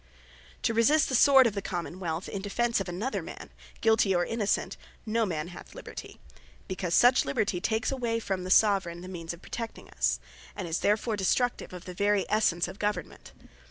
To resist the Sword of the Common wealth, in defence of another man, guilty, or innocent, no man hath Liberty; because such Liberty, takes away from the Soveraign, the means of Protecting us; and is therefore destructive of the very essence of Government.